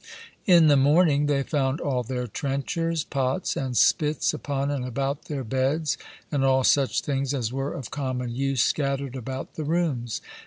In the morning they found all their trenchers, pots, and spits, upon and about their beds, and all such things as were of common use scattered about the rooms.